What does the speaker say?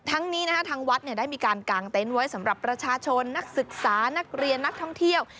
ทั้งนี้ทางวัดได้มีการกางเต็นต์ไว้สำหรับประชาชนนักศึกษานักเรียนนักท่องเที่ยว